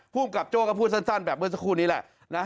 ภูมิกับโจ้ก็พูดสั้นแบบเมื่อสักครู่นี้แหละนะ